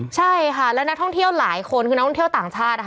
ใช่ค่ะแล้วนักท่องเที่ยวหลายคนคือนักท่องเที่ยวต่างชาตินะคะ